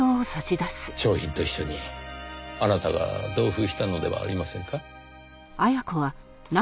商品と一緒にあなたが同封したのではありませんか？